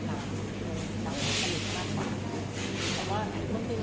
เขาอยากย้ำอ้อยครับส่วนที่